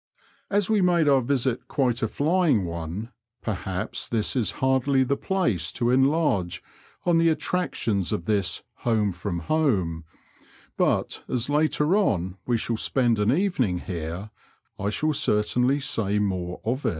As we made our visit quite a flying one, perhaps this is hardly the place to enlarge on the attractions of this *' home &om home," but as later on we shall spend an evening here, I shall certainly say more of it.